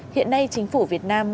hiện nay chính phủ việt nam